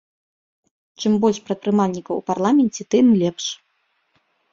Чым больш прадпрымальнікаў у парламенце, тым лепш!